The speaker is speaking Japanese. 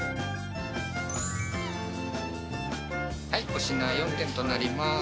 お品４点となります。